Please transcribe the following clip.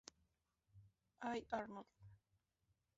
I. Arnold.